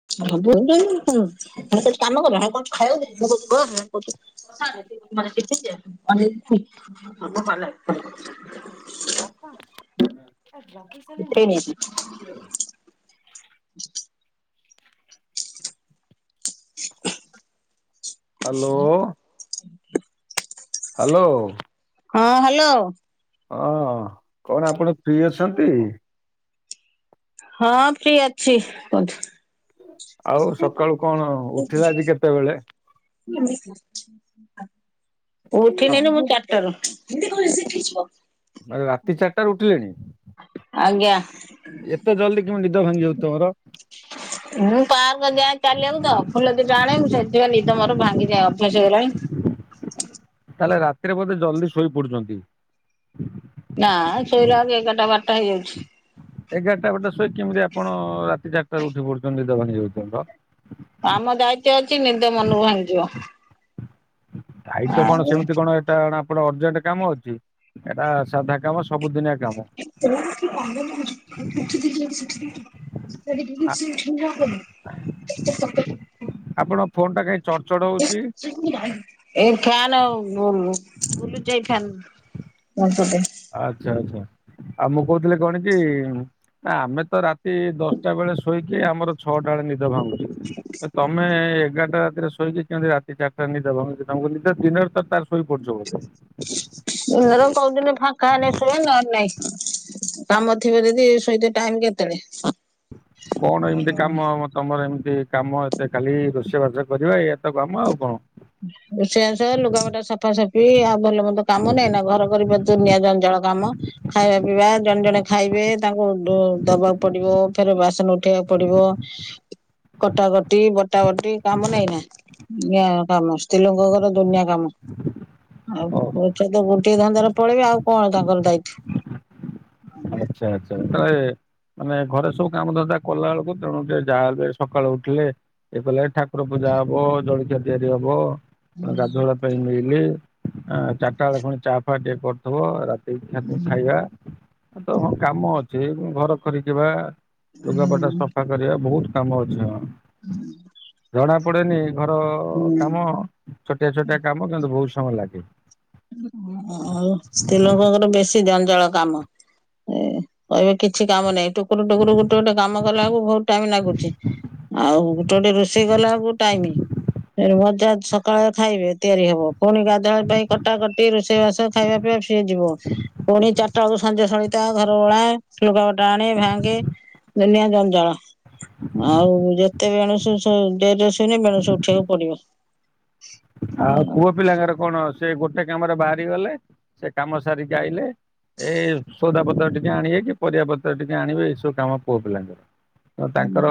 ହେ କାମ କର କଣ ତାକୁ ଖାଇବାକୁ ଦେ [unintelligible] [unintelligible] ବାପା ଆ ଗାଧେଇ ସାରିଲେଣି? ହ୍ୟାଲୋ। ହ୍ୟାଲୋ। ହଁ ହ୍ୟାଲୋ। ହଁ କଣ ଆପଣ ଫ୍ରି ଅଛନ୍ତି? ହଁ ଫ୍ରି ଅଛି କୁହନ୍ତୁ। ଆଉ ସକାଳୁ କଣ ଉଠିଲେ ଆଜି କେତେବେଳେ? ସକ- ଉଠିନିନି ମୁଁ ଚାର ଟାରୁ। ମାନେ ରାତି ଚାରିଟାରୁ ଉଠିଲେଣି? ଆଜ୍ଞା ଏତେ ଜଲଦି କେମିତି ନିଦ ଭାଙ୍ଗି ଯାଉଚି ତମର? ମୁଁ ପାର୍କ ଯାଏ ଚାଲିବାକୁ ତ ଫୁଲ ଦି ଟା ଆଣେ ମୁଁ ସେଇଥିପାଇଁ ନିଦ ମୋର ଭାଙ୍ଗିଯାଏ ଅଭ୍ୟାସ ହେଇଗଲାଣି। ତାହେଲେ ରାତିରେ ବୋଧେ ଜଲ୍ଦି ଶୋଇ ପଡୁଛନ୍ତି? ନା ଶୋଇଲା ବେଳକୁ ଏଗାରଟା ବାରଟା ହେଇଯାଉଛି। ଏଗାରଟା ବାରଟା ଶୋଇ କେମିତି ଆପଣ ରାତି ଚାରିଟାରୁ ଉଠି ପଡୁଛନ୍ତି ନିଦ ଭାଙ୍ଗି ଯାଉଚି ତମର? ଆମ ଦାୟିତ୍ୱ ଅଛି ନିଦ ମନକୁ ଭାଙ୍ଗିଯିବ। ଦାୟିତ୍ଵ ଆଉ କଣ ସେମିତି କଣ ଏଟା ଆପଣ ଅରଜେଣ୍ଟ କାମ ଅଛି, ଏଟା ସାଧା କାମ ସବୁଦିନିଆ କାମ। [unintelligible] ଆ- [unintelligible] ଆପଣଙ୍କ ଫୋନ ଟା କାଇଁ ଚଡ୍ ଚଡ୍ ହୋଉଛି? ଏଇ ଫ୍ୟାନ [inaudible] ବୁଲୁଛି ଏଇ ଫ୍ୟାନ। [unintelligible] ଆଚ୍ଛା ଆଚ୍ଛା ଆଉ ମୁଁ କହୁଥିଲି କଣ କି ଆମେ ତ ରାତି ଦଶଟା ବେଳେ ଶୋଇକି ଆମର ଛଅଟା ବେଳେ ନିଦ ଭାଙ୍ଗୁଚି। ତମେ ଏଗାରଟା ରାତିରେ ଶୋଇକି କେମିତି ରାତି ଚାରିଟାରେ ନିଦେ ଭାଙ୍ଗୁଛି ତମକୁ ନିଦ ଦିନରେ ତାର ସୋଇପଡୁଚ ବୋଧେ? ମୋର କୋଉଦିନ ଫାଙ୍କା ହେଲେ ସୁଏ ନହେଲେ ନାଇଁ। କାମ ଥିବ ଯଦି ଶୋଇତେ ଟାଇମ କେତେବେଳେ? କଣ ଏମିତି କାମ ତମର ଏମିତି କାମ ଏତେ ଖାଲି ରୋଷେଇ ବାଷ କରିବା ଏୟା ତ କାମ ଆଉ କଣ? ରୋଷେଇବାସ ଲୁଗାପଟା ସଫାସଫି ଆଉ ଭଲ ମନ୍ଦ କାମ ନହିଁ ନା ଘର କରି ବା ଦୁନିଆ ଜଞ୍ଜାଳ କାମ। ଖାଇବା ପିଇବା ଜଣେ ଜଣେ ଖାଇବେ ତାଙ୍କୁ ଦବାକୁ ପଡିବ ଫେର ବାସନ ଉଠ ଉଠେଇଆକୁ ପଡିବ କଟାକଟି ବଟା ବଟି କାମ ନାଇଁ ନା। କାମ ସ୍ତ୍ରୀଲଙ୍କଙ୍କର ଦୁନିଆ କାମ ଆଉ [unintelligible] ଗୋଟିଏ ଧନ୍ଦାରେ ପଳେଇବେ ଆଉ କଣ ତାଙ୍କର ଦାୟିତ୍ଵ। ଆଚ୍ଛା ଆଚ୍ଛା ତାହଲେ ମାନେ ଘରେ ସବୁ କାମ ଧନ୍ଦା କଲା ବେଳକୁ ତେଣୁ ଟିକେ ଯାହା ହେଲେ ସକାଳୁ ଉଠିଲେ ଇଏ କଲେ ଠକୁ ର ପୂଜା ହବ, ଜଳଖିଆ ତିଆରି ହବ, ଗାଧୁଆବେଳ ପାଇଁ ମିଲି। ଚାରିଟା ବେଳେ ଫୁଣି ଚା ଫାହା ଟିକେ କରିଥିବ ରାତି ଖାଇବା। ତ ହଁ କାମ ଅଛି ଘର ଖରିକିବା ଲୁଗାପଟା ହୁଁ ସଫା କରିବା ବୋହୁତ୍ କାମ ଅଛି ହଁ। ହୁଁ। ଜଣା ପଡେନି ଘର କାମ ଛୋଟିଆ ଛୋଟିଆ କାମ କିନ୍ତୁ ବୋହୁତ୍ ସମୟ ଲାଗେ। ଆଉ ସ୍ତ୍ରୀଲୋକଙ୍କର ବେଶୀ ଜଞ୍ଜାଳ କାମ। ଏ କହିବେ କିଛି କାମ ନାଇଁ। ଟୁକୁରୁ ଟୁକୁରୁ ଗୋଟେ ଗୋଟେ କାମ କଲାବେଳକୁ ବୋହୁତ୍ ଟାଇମ୍ ଲାଗୁଛି ଆଉ ଗୋଟେ ଗୋଟେ ରୋଷେଇ କଲାବେଳକୁ ଟାଇମି ମଜା ସକାଳେ ଖାଇବେ ତିଆରି ହବ, ପୁଣି ଗାଧୁଆ ପାଇଁ ଖ କଟା କଟି ରୋଷେଇବାସ ଖାଇବା ପିଇବା ସିଏ ଯିବ। ପୁଣି ଚାରିଟା ବଳକୁ ସଞ୍ଜ ସଳିତା ଘର ଓଳା ଲୁକାପଟା ଆଣେ ଭାଙ୍ଗେ। ଦୁନିଆ ଜଞ୍ଜାଳ। ଆଉ ଯେତେବେଲେ [unintelligible] ଡେରି ରେ ଶୋଇଲେ ସେ ବେଳୁ ଉଠେଇକୁ ପଡିବ। ଆଉ ପୁଅ ପିଲାଙ୍କର କଣ ସେ ଗୋଟେ କାମ ରେ ବାହାରି ଗଲେ ସେ କାମ ସାରିକି ଆଇଲେ। ଏଇ ସଉଦାପତ୍ର ଟିକେ ଆଣିବେ କି ପରିବାପତ୍ର ଟିକେ ଆଣିବେ, ଏଇସବୁ କାମ ପୁଅ ପିଲାଙ୍କର ତ ତାଙ୍କର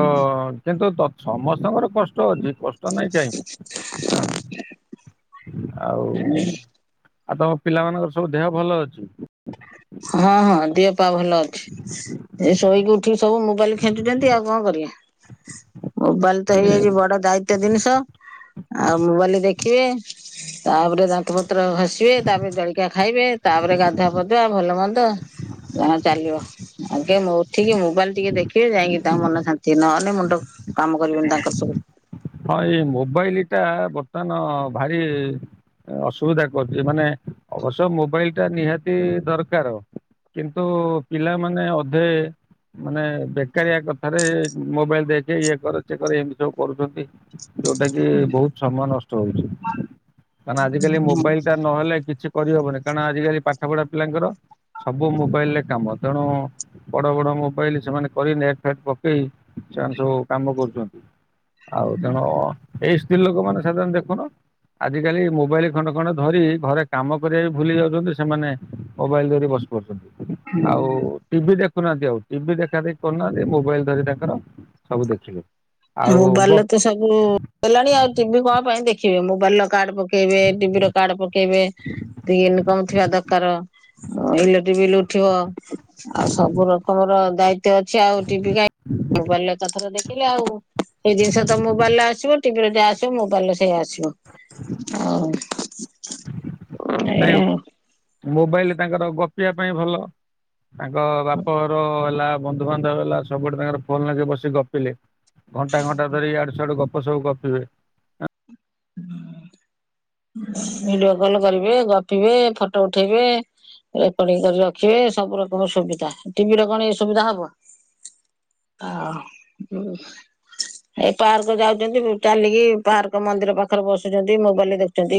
କିନ୍ତୁ ସମସ୍ତଙ୍କର କଷ୍ଟ ଅଛି। ବଷ୍ଟା ନାଇଁ କାହିଁକି ହଁ। ଆଉ ଆଉ ତମ ପିଲାମାନଙ୍କର ସବୁ ଦେହ ଭଲ ଅଛି? ହଁ ହଁ ଦିହ ପା ଭଲ ଅଛି। ଏ ଶୋଇକି ଉଠିକି ସବୁ ମୋବାଇଲ ଖେଚୁଛନ୍ତି ଆଉ କଣ କରିବା? ମୋବାଇଲ୍ ତ ଏ ହେଇଯାଇଛି ବଡ ଦାୟିତ୍ ଏତେ ଜିନିଷ ଆଉ ମୋବାଇଲ ଦେଖିବେ ତାପରେ ତା ପଟ ପତ୍ର ଘସିବେ ତାପରେ ଜଳିକା ଖାଇବେ ତାପରେ ଗାଧୁଆ ପଦୁଆ ଭଲ ମନ୍ଦ ଜ ଚାଲିବ ଆଜ୍ଞ ଉଠିକି ମୋବାଇଲ ଟିକେ ଦେଖିବେ ଯାଇକି ତାଙ୍କ ମନ ଶାନ୍ତି ନେଲେ ମୁଣ୍ଡ କାମ କରିବନି ତାଙ୍କର ସବୁ। ହଁ ଏଇ ମୋବାଇଲ ଟା ବର୍ତ୍ତମାନ ଭାରି ଅସୁବିଧା କରୁଛି, ମାନେ ଅବଶ୍ୟ ମୋବାଇଲ ଟା ନିହାତି ଦରକାର। କିନ୍ତୁ ପିଲାମାନେ ଅଧେ ମାନେ ବେକାରିଆ କଥାରେ ମୋବାଇଲ ଦେଖେ ଇଏ କର ସେଏ କର ଏମିତି ସବୁ କରୁଛନ୍ତି। ଯୋଉଟା କି ବହୁତ ସମୟ ନଷ୍ଟ ହଉଛି ମାନେ ଆଜିକାଲି ମୋବାଇଲ ଟା ନହେଲେ କିଛି କରିହବନି କାରଣ ଆଜିିକାଲି ପାଠ ପଢା ପିଲାଙ୍କର ସବୁ ମୋବାଇଲରେ କାମ ତେଣୁ ବଡ ବଡ ମୋବାଇଲ ସେମାନେ କରି ନେଟ ଫେଟ ପକେଇ ସେମାନେ ସବୁ କାମ କରୁଛନ୍ତି। ଆଉ ତେଣୁ ଏଇ ସ୍ତ୍ରୀ ଲୋକ ମାନେ ସାଧାରଣ ଦେଖୁନ। ଆଜିକାଲି ମୋବାଇଲ ଖଣ୍ଡେ ଖଣ୍ଡେ ଧରି ଘରେ କାମ କରିବା ବି ଭୁଲି ଯାଉଛନ୍ତି ସେମାନେ ମୋବାଇଲ ଧରି ବସ ପଡୁଛନ୍ତି ଆଉ ଟିଭି ଦେଖୁନାହାନ୍ତି ଆଉ ଟିଭି ଦେଖା ଦେଖି କରୁନାହାନ୍ତି ମୋବାଇଲ ଧରି ତାଙ୍କର ସବୁ ଦେଖିଲେ। ଆଉ ମୋବାଇଲେ ତ ତ ସବୁ ଦେଲାଣି ଆଉ ଟିଭି କଣ ପାଇଁ ଦେଖିବେ ମୋବାଇଲ ର କାର୍ଡ ପକେଇବେ ଟିଭି ର କାର୍ଡ ପକେଇବେ। ଏତେ ଇନକମ ଥିବା ଦରକାର। ଇଲେଟି ବିଲ ଉଠିବ, ଆଉ ସବୁ ରକମର ଦାୟିତ୍ଵ ଏତେ ଅଛି ଆଉ ଟିଭି କାଁ ମୋବାଇଲ ଏଥର ଦେଖିଲେ ଆଉ। ସେଇ ଜିନଷ ତ ମୋବାଇଲ ରେ ଆସିବ ଟିଭି ରେ ଯା ଆସ୍ ମୋବାଇଲ ସେୟା ଆସିବ ଆଉ ନାଇଁ ମୋବାଇଲ ତାଙ୍କର ଗପିବା ପାଇଁ ଭଲ। ତାଙ୍କ ବାପଘର ହେଲା ବନ୍ଧୁବାନ୍ଧବ ହେଲା ସବୁଆଡ଼େ ତାଙ୍କର ଫୋନ ଲଗେଇ ବସିକି ଗପିଲେ। ଘଣ୍ଟା ଘଣ୍ଟା ଧରି ୟାଡୁ ସିଆଡୁ ଗପ ସବୁ ଗପିବେ। ଭିଡିଓ କଲ କରିବେ, ଗପିବେ, ଫଟୋ ଉଠେଇବେ। ରେକର୍ଡି କରି ରଖିବେ ସବୁ ରକମ ସୁବିଧା ଟିଭି ର କଣ ଏ ସୁବିଧା ହବ। ଆ ଉଁ। ଏ ପାର୍କ ଯାଉଛନ୍ତି ଚାଲିକି ପାର୍କ ମନ୍ଦିର ପାଖରେ ବସୁଛନ୍ତି ମୋବାଇଲ ଦେଖୁଛନ୍ତି।